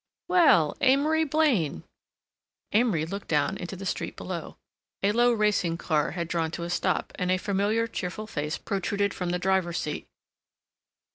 "Well—Amory Blaine!" Amory looked down into the street below. A low racing car had drawn to a stop and a familiar cheerful face protruded from the driver's seat.